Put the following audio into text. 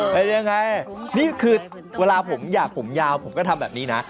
เป็นยังไงนี่คือเวลาผมอยากผมยาวผมก็ทำแบบนี้นะ